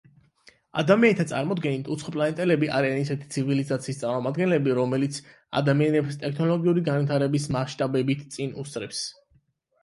ადამიანთა წარმოდგენით უცხოპლანეტელები არიან ისეთი ცივილიზაციის წარმომადგენლები, რომელიც ადამიანებს ტექნოლოგიური განვითარების მასშტაბებით წინ უსწრებს.